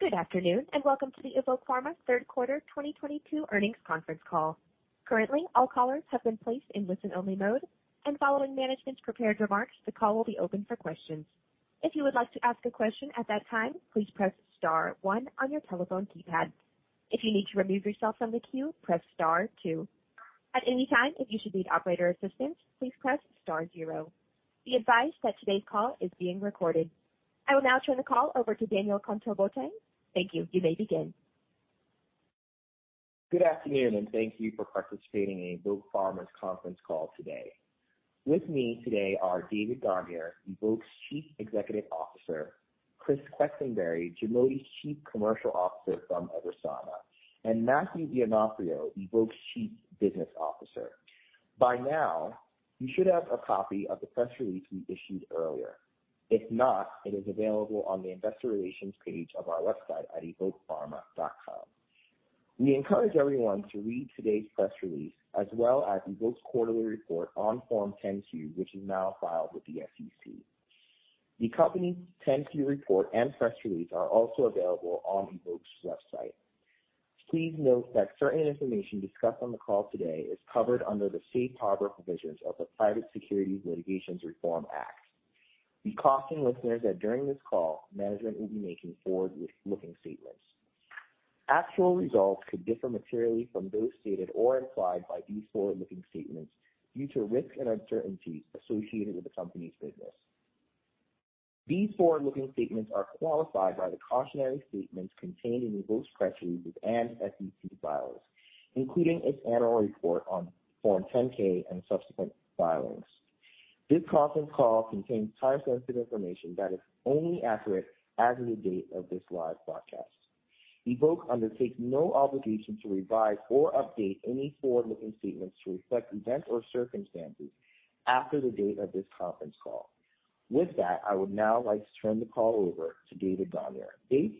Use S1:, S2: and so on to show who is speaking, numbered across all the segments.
S1: Good afternoon, and welcome to the Evoke Pharma third quarter 2022 earnings conference call. Currently, all callers have been placed in listen-only mode, and following management's prepared remarks, the call will be open for questions. If you would like to ask a question at that time, please press star one on your telephone keypad. If you need to remove yourself from the queue, press star two. At any time, if you should need operator assistance, please press star zero. Be advised that today's call is being recorded. I will now turn the call over to Daniel Kontoh-Boateng. Thank you. You may begin.
S2: Good afternoon, and thank you for participating in Evoke Pharma's conference call today. With me today are David Gonyer, Evoke's Chief Executive Officer, Chris Quesenberry, GIMOTI Chief Commercial Officer from EVERSANA, and Matthew D'Onofrio, Evoke's Chief Business Officer. By now, you should have a copy of the press release we issued earlier. If not, it is available on the investor relations page of our website at EvokePharma.com. We encourage everyone to read today's press release as well as Evoke's quarterly report on Form 10-Q, which is now filed with the SEC. The company's 10-Q report and press release are also available on Evoke's website. Please note that certain information discussed on the call today is covered under the safe harbor provisions of the Private Securities Litigation Reform Act. We caution listeners that during this call, management will be making forward-looking statements. Actual results could differ materially from those stated or implied by these forward-looking statements due to risks and uncertainties associated with the company's business. These forward-looking statements are qualified by the cautionary statements contained in Evoke's press releases and SEC filings, including its annual report on Form 10-K and subsequent filings. This conference call contains time-sensitive information that is only accurate as of the date of this live broadcast. Evoke undertakes no obligation to revise or update any forward-looking statements to reflect events or circumstances after the date of this conference call. With that, I would now like to turn the call over to David Gonyer. Dave.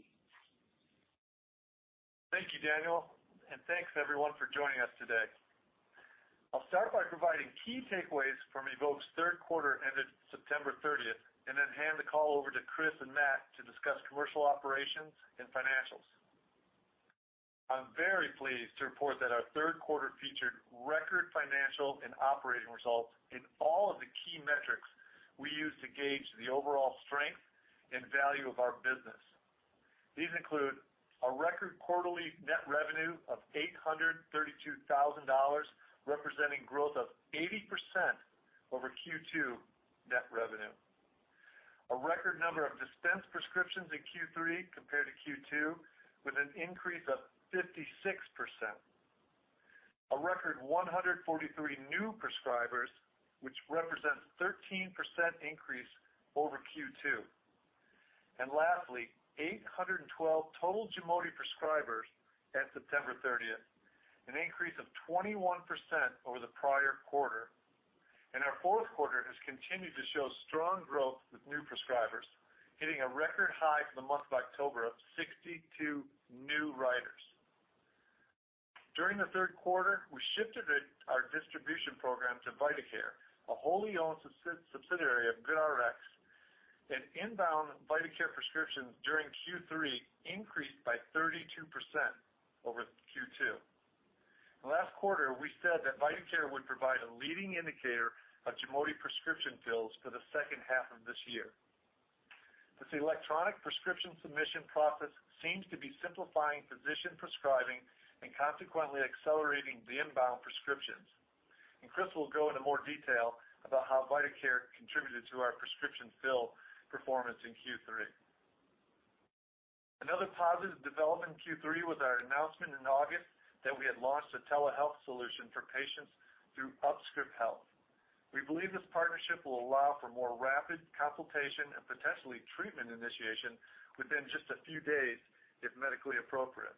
S3: Thank you, Daniel. Thanks everyone for joining us today. I'll start by providing key takeaways from Evoke's third quarter ended September 30, and then hand the call over to Chris and Matt to discuss commercial operations and financials. I'm very pleased to report that our third quarter featured record financial and operating results in all of the key metrics we use to gauge the overall strength and value of our business. These include a record quarterly net revenue of $832,000, representing growth of 80% over Q2 net revenue. A record number of dispensed prescriptions in Q3 compared to Q2, with an increase of 56%. A record 143 new prescribers, which represents 13% increase over Q2. Lastly, 812 total GIMOTI prescribers at September 30, an increase of 21% over the prior quarter. Our fourth quarter has continued to show strong growth with new prescribers, hitting a record high for the month of October of 62 new writers. During the third quarter, we shifted it, our distribution program to VitaCare, a wholly owned subsidiary of GoodRx, and inbound VitaCare prescriptions during Q3 increased by 32% over Q2. Last quarter, we said that VitaCare would provide a leading indicator of GIMOTI prescription fills for the second half of this year. This electronic prescription submission process seems to be simplifying physician prescribing and consequently accelerating the inbound prescriptions. Chris will go into more detail about how VitaCare contributed to our prescription fill performance in Q3. Another positive development in Q3 was our announcement in August that we had launched a telehealth solution for patients through UpScriptHealth. We believe this partnership will allow for more rapid consultation and potentially treatment initiation within just a few days, if medically appropriate.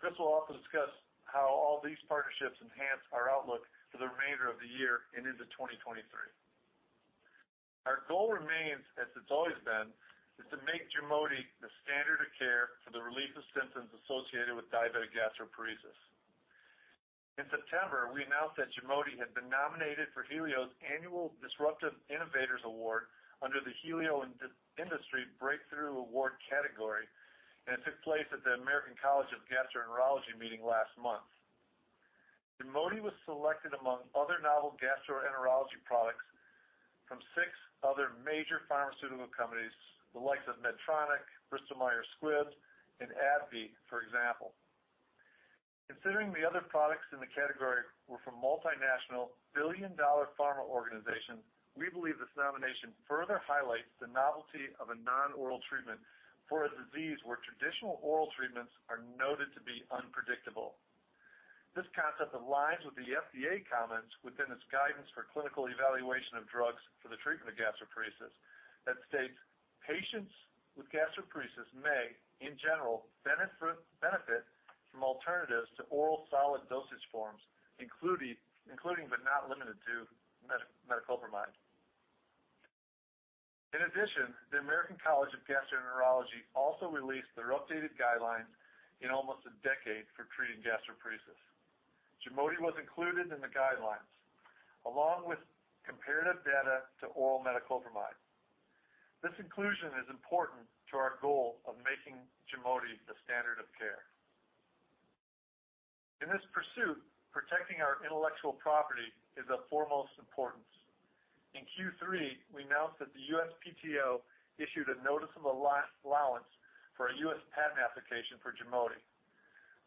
S3: Chris will also discuss how all these partnerships enhance our outlook for the remainder of the year and into 2023. Our goal remains as it's always been, is to make GIMOTI the standard of care for the relief of symptoms associated with diabetic gastroparesis. In September, we announced that GIMOTI had been nominated for Healio's annual Disruptive Innovators Award under the Healio Industry Breakthrough Award category, and it took place at the American College of Gastroenterology meeting last month. GIMOTI was selected among other novel gastroenterology products from six other major pharmaceutical companies, the likes of Medtronic, Bristol Myers Squibb, and AbbVie, for example. Considering the other products in the category were from multinational billion-dollar pharma organizations, we believe this nomination further highlights the novelty of a non-oral treatment for a disease where traditional oral treatments are noted to be unpredictable. This concept aligns with the FDA comments within its guidance for clinical evaluation of drugs for the treatment of gastroparesis that states patients with gastroparesis may, in general, benefit from alternatives to oral solid dosage forms, including but not limited to metoclopramide. In addition, the American College of Gastroenterology also released their updated guidelines in almost a decade for treating gastroparesis. GIMOTI was included in the guidelines, along with comparative data to oral metoclopramide. This inclusion is important to our goal of making GIMOTI the standard of care. In this pursuit, protecting our intellectual property is of foremost importance. In Q3, we announced that the USPTO issued a notice of allowance for a US patent application for GIMOTI.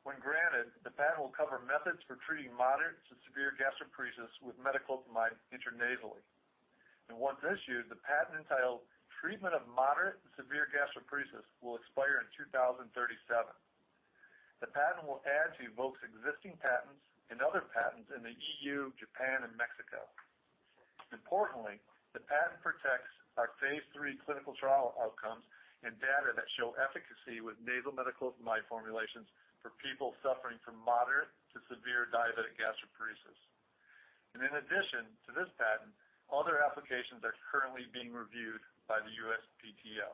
S3: When granted, the patent will cover methods for treating moderate to severe gastroparesis with metoclopramide intranasally. Once issued, the patent entitled 'Treatment of Moderate to Severe Gastroparesis' will expire in 2037. The patent will add to Evoke's existing patents and other patents in the EU, Japan and Mexico. Importantly, the patent protects our phase three clinical trial outcomes and data that show efficacy with nasal metoclopramide formulations for people suffering from moderate to severe diabetic gastroparesis. In addition to this patent, other applications are currently being reviewed by the USPTO.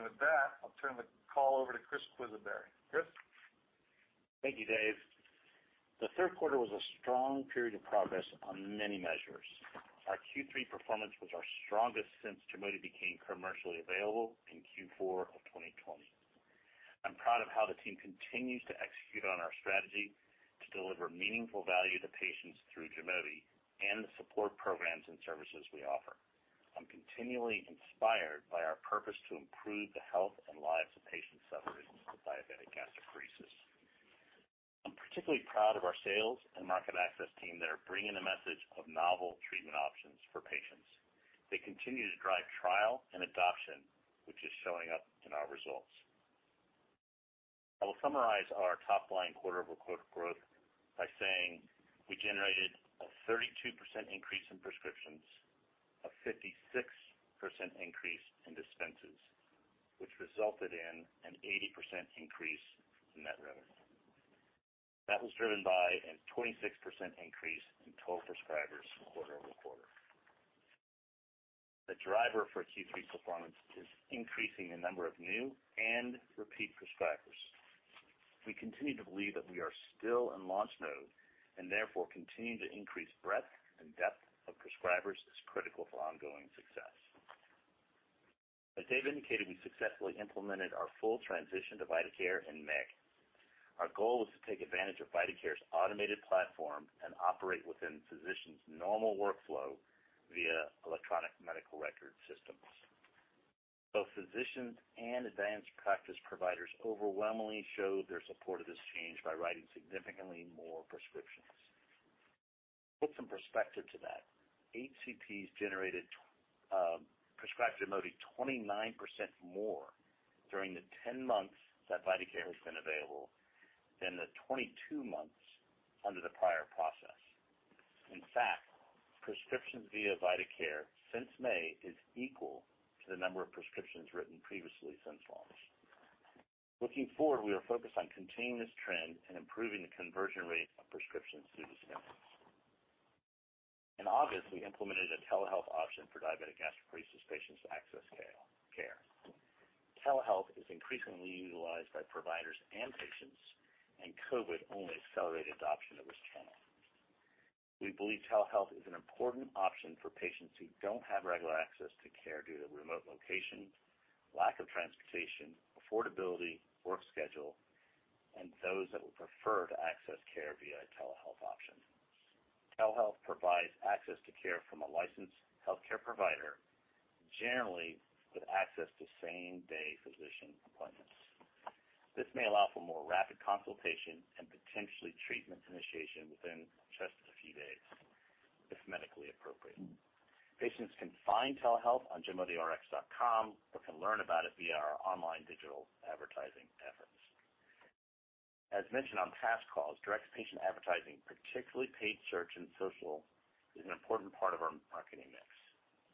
S3: With that, I'll turn the call over to Chris Quesenberry. Chris?
S4: Thank you, Dave. The third quarter was a strong period of progress on many measures. Our Q3 performance was our strongest since GIMOTI became commercially available in Q4 of 2020. I'm proud of how the team continues to execute on our strategy to deliver meaningful value to patients through GIMOTI and the support programs and services we offer. I'm continually inspired by our purpose to improve the health and lives of patients suffering from diabetic gastroparesis. I'm particularly proud of our sales and market access team that are bringing the message of novel treatment options for patients. They continue to drive trial and adoption, which is showing up in our results. I will summarize our top line quarter-over-quarter growth by saying we generated a 32% increase in prescriptions, a 56% increase in dispenses, which resulted in an 80% increase in net revenue. That was driven by a 26% increase in total prescribers quarter-over-quarter. The driver for Q3 performance is increasing the number of new and repeat prescribers. We continue to believe that we are still in launch mode and therefore continuing to increase breadth and depth of prescribers is critical for ongoing success. As Dave indicated, we successfully implemented our full transition to VitaCare in MIC. Our goal was to take advantage of VitaCare's automated platform and operate within physicians' normal workflow via electronic medical record systems. Both physicians and advanced practice providers overwhelmingly showed their support of this change by writing significantly more prescriptions. To put some perspective to that, HCPs prescribed GIMOTI 29% more during the 10 months that VitaCare has been available than the 22 months under the prior process. In fact, prescriptions via VitaCare since May is equal to the number of prescriptions written previously since launch. Looking forward, we are focused on continuing this trend and improving the conversion rate of prescriptions through dispenses. In August, we implemented a telehealth option for diabetic gastroparesis patients to access care. Telehealth is increasingly utilized by providers and patients, and COVID only accelerated adoption of this channel. We believe telehealth is an important option for patients who don't have regular access to care due to remote location, lack of transportation, affordability, work schedule, and those that would prefer to access care via a telehealth option. Telehealth provides access to care from a licensed healthcare provider, generally with access to same-day physician appointments. This may allow for more rapid consultation and potentially treatment initiation within just a few days, if medically appropriate. Patients can find telehealth on GimotiRx.com or can learn about it via our online digital advertising efforts. As mentioned on past calls, direct patient advertising, particularly paid search and social, is an important part of our marketing mix.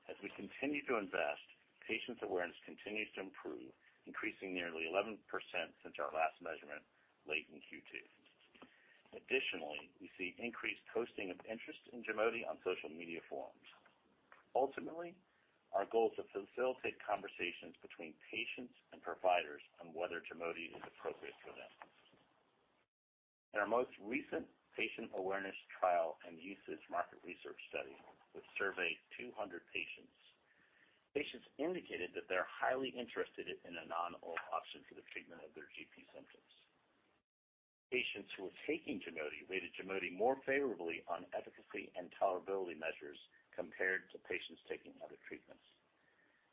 S4: As we continue to invest, patients' awareness continues to improve, increasing nearly 11% since our last measurement late in Q2. Additionally, we see increased posting of interest in GIMOTI on social media forums. Ultimately, our goal is to facilitate conversations between patients and providers on whether GIMOTI is appropriate for them. In our most recent patient awareness trial and usage market research study, which surveyed 200 patients indicated that they're highly interested in a non-oral option for the treatment of their GP symptoms. Patients who were taking GIMOTI rated GIMOTI more favorably on efficacy and tolerability measures compared to patients taking other treatments.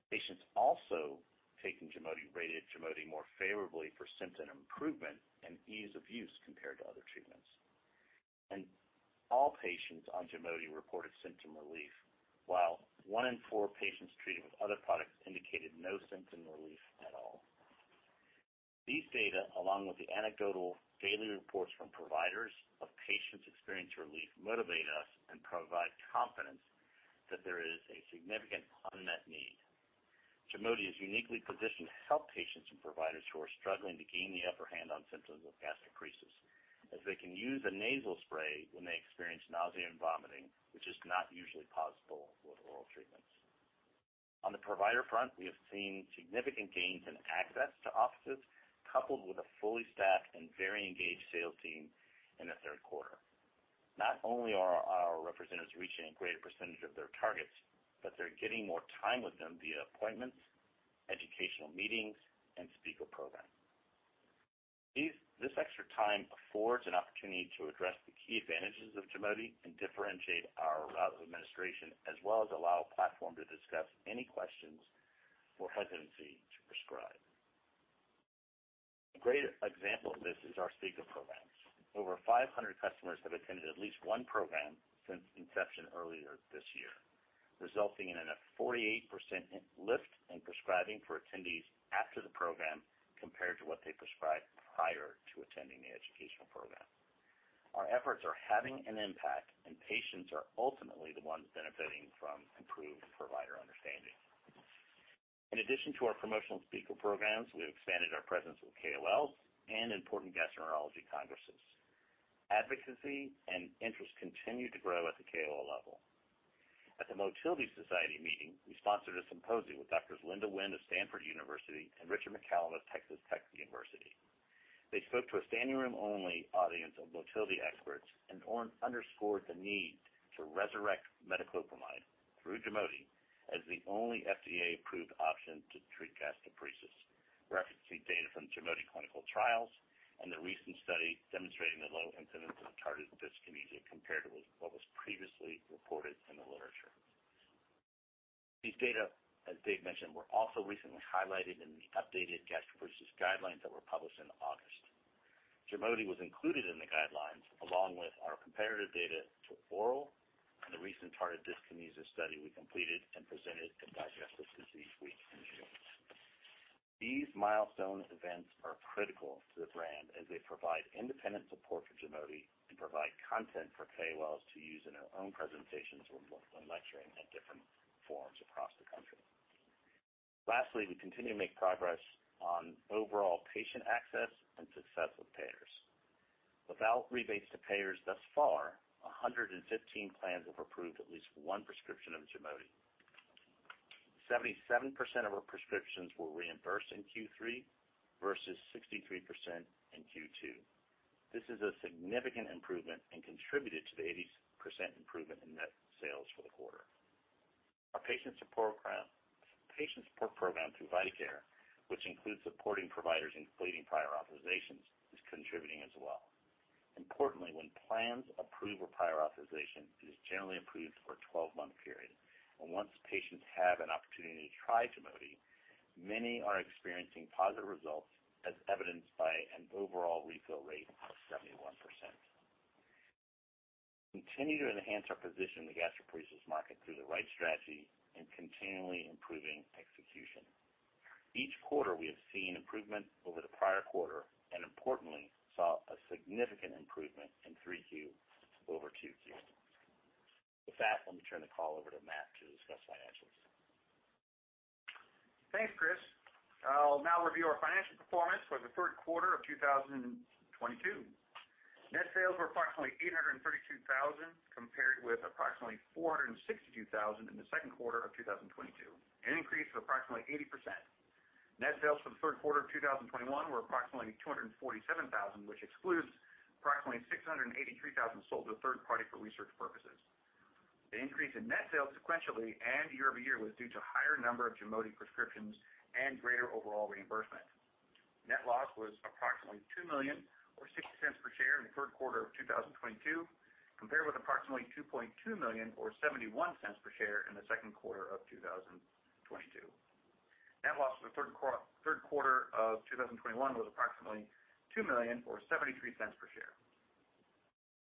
S4: Patients also taking GIMOTI rated GIMOTI more favorably for symptom improvement and ease of use compared to other treatments. All patients on GIMOTI reported symptom relief, while one in four patients treated with other products indicated no symptom relief at all. These data, along with the anecdotal daily reports from providers of patients experiencing relief, motivate us and provide confidence that there is a significant unmet need. GIMOTI is uniquely positioned to help patients and providers who are struggling to gain the upper hand on symptoms of gastroparesis, as they can use a nasal spray when they experience nausea and vomiting, which is not usually possible with oral treatments. On the provider front, we have seen significant gains in access to offices, coupled with a fully staffed and very engaged sales team in the third quarter. Not only are our representatives reaching a greater percentage of their targets, but they're getting more time with them via appointments, educational meetings, and speaker programs. This extra time affords an opportunity to address the key advantages of GIMOTI and differentiate our route of administration, as well as allow a platform to discuss any questions or hesitancy to prescribe. A great example of this is our speaker programs. Over 500 customers have attended at least one program since inception earlier this year, resulting in a 48% lift in prescribing for attendees after the program compared to what they prescribed prior to attending the educational program. Our efforts are having an impact, and patients are ultimately the ones benefiting from improved provider understanding. In addition to our promotional speaker programs, we have expanded our presence with KOLs and important gastroenterology congresses. Advocacy and interest continue to grow at the KOL level. At the Motility Society meeting, we sponsored a symposium with Doctors Linda Nguyen of Stanford University and Richard W. McCallum of Texas Tech University. They spoke to a standing room only audience of motility experts and underscored the need to resurrect metoclopramide through GIMOTI as the only FDA-approved option to treat gastroparesis, referencing data from GIMOTI clinical trials and the recent study demonstrating the low incidence of tardive dyskinesia compared to what was previously reported in the literature. These data, as Dave mentioned, were also recently highlighted in the updated gastroparesis guidelines that were published in August. GIMOTI was included in the guidelines, along with our comparative data to oral and the recent tardive dyskinesia study we completed and presented at Digestive Disease Week in June. These milestone events are critical to the brand as they provide independent support for GIMOTI and provide content for KOLs to use in their own presentations when lecturing at different forums across the country. Lastly, we continue to make progress on overall patient access and success with payers. Without rebates to payers thus far, 115 plans have approved at least one prescription of GIMOTI. 77% of our prescriptions were reimbursed in Q3 versus 63% in Q2. This is a significant improvement and contributed to the 80% improvement in net sales for the quarter. Our patient support program through VitaCare, which includes supporting providers in completing prior authorizations, is contributing as well. Importantly, when plans approve a prior authorization, it is generally approved for a 12-month period. Once patients have an opportunity to try GIMOTI, many are experiencing positive results as evidenced by an overall refill rate of 71%. Continue to enhance our position in the gastroparesis market through the right strategy and continually improving execution. Each quarter we have seen improvement over the prior quarter and importantly saw a significant improvement in 3Q over 2Q. With that, let me turn the call over to Matt to discuss financials.
S5: Thanks, Chris. I'll now review our financial performance for the third quarter of 2022. Net sales were approximately $832,000, compared with approximately $462,000 in the second quarter of 2022, an increase of approximately 80%. Net sales for the third quarter of 2021 were approximately $247,000, which excludes approximately $683,000 sold to a third party for research purposes. The increase in net sales sequentially and year-over-year was due to higher number of GIMOTI prescriptions and greater overall reimbursement. Net loss was approximately $2 million or $0.06 per share in the third quarter of 2022, compared with approximately $2.2 million or $0.71 per share in the second quarter of 2022. Net loss for the third quarter of 2021 was approximately $2 million or $0.73 per share.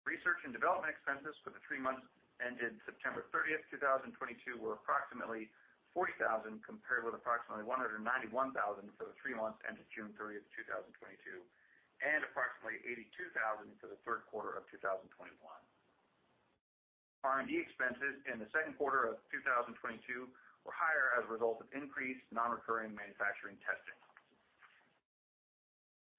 S5: Research and development expenses for the three months ended September 30, 2022 were approximately $40,000, compared with approximately $191,000 for the three months ended June 30, 2022, and approximately $82,000 for the third quarter of 2021. R&D expenses in the second quarter of 2022 were higher as a result of increased non-recurring manufacturing testing.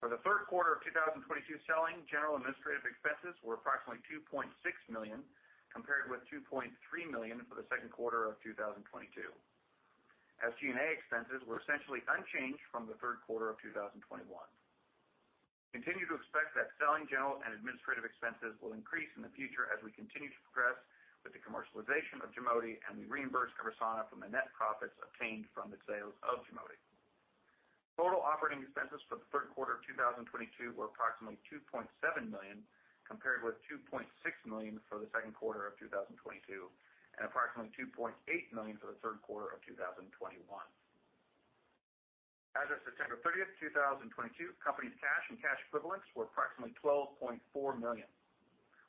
S5: For the third quarter of 2022, selling, general, and administrative expenses were approximately $2.6 million, compared with $2.3 million for the second quarter of 2022. SG&A expenses were essentially unchanged from the third quarter of 2021. Continue to expect that selling, general, and administrative expenses will increase in the future as we continue to progress with the commercialization of GIMOTI and we reimburse EVERSANA from the net profits obtained from the sales of GIMOTI. Total operating expenses for the third quarter of 2022 were approximately $2.7 million, compared with $2.6 million for the second quarter of 2022 and approximately $2.8 million for the third quarter of 2021. As of September 30, 2022, company's cash and cash equivalents were approximately $12.4 million.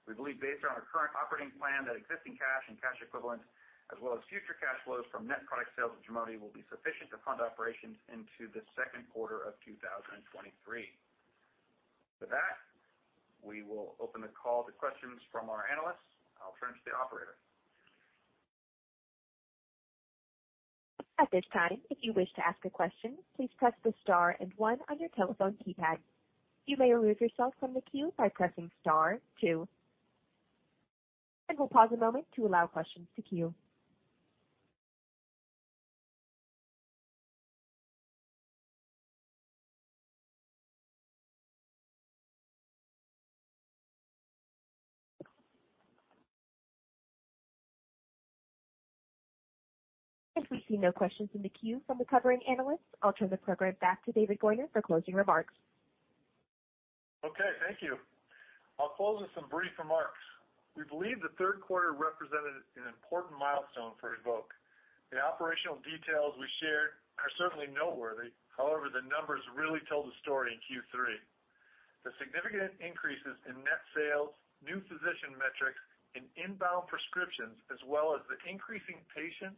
S5: We believe based on our current operating plan that existing cash and cash equivalents, as well as future cash flows from net product sales of GIMOTI will be sufficient to fund operations into the second quarter of 2023. With that, we will open the call to questions from our analysts. I'll turn it to the operator.
S1: At this time, if you wish to ask a question, please press the star and one on your telephone keypad. You may remove yourself from the queue by pressing star two. We'll pause a moment to allow questions to queue. If we see no questions in the queue from the covering analysts, I'll turn the program back to David Gonyer for closing remarks.
S3: Okay. Thank you. I'll close with some brief remarks. We believe the third quarter represented an important milestone for Evoke. The operational details we shared are certainly noteworthy. However, the numbers really tell the story in Q3. The significant increases in net sales, new physician metrics, and inbound prescriptions, as well as the increasing patient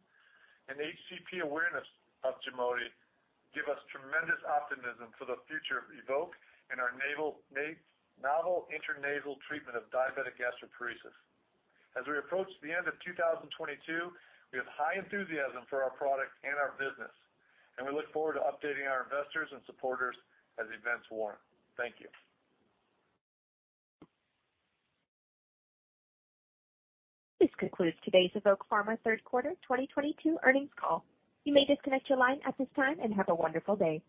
S3: and HCP awareness of GIMOTI give us tremendous optimism for the future of Evoke and our novel intranasal treatment of diabetic gastroparesis. As we approach the end of 2022, we have high enthusiasm for our product and our business, and we look forward to updating our investors and supporters as events warrant. Thank you.
S1: This concludes today's Evoke Pharma third quarter 2022 earnings call. You may disconnect your line at this time, and have a wonderful day.